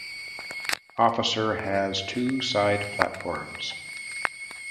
Officer has two side platforms.